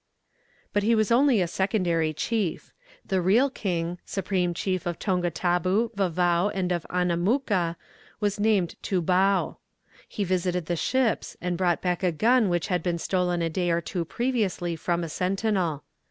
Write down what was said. But he was only a secondary chief. The real king, supreme chief of Tonga Tabou, Vavao, and of Annamooka, was named Toubau. He visited the ships, and brought back a gun which had been stolen a day or two previously from a sentinel.